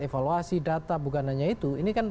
evaluasi data bukan hanya itu ini kan